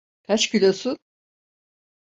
Kaç kilosun?